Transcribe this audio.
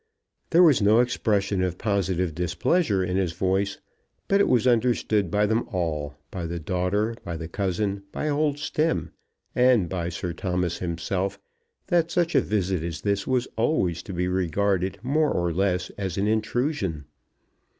There was no expression of positive displeasure in his voice, but it was understood by them all, by the daughter, by the cousin, by old Stemm, and by Sir Thomas himself, that such a visit as this was always to be regarded more or less as an intrusion.